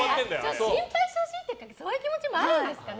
心配してほしいっていうかそういう気持ちもあるんですかね。